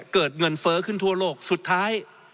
เกิดเงินเฟ้อขึ้นทั่วโลกสุดท้าย